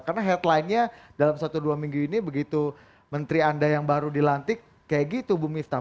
karena headlinenya dalam satu dua minggu ini begitu menteri anda yang baru dilantik kayak gitu bu miftah